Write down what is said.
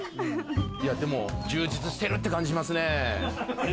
でも充実してるって感じしますね。